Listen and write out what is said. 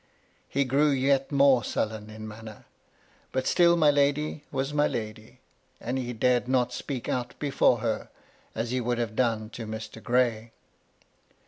He grew yet more sullen in manner ; but still my lady was my lady, and he dared not speak out before her, as he would have done to Mr. Gray.